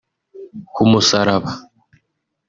’Ku musaraba’